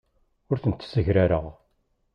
Ur tent-ssegrareɣ.